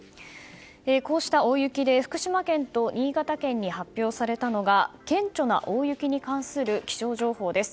こうした大雪で福島県と新潟県に発表されたのが顕著な大雪に関する気象情報です。